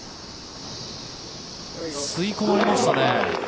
吸い込まれましたね。